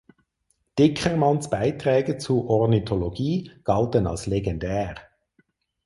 Dickermans Beiträge zu Ornithologie galten als legendär.